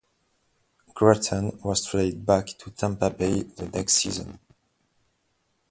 Gratton was traded back to Tampa Bay the next season.